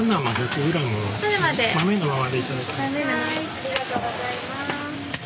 ありがとうございます。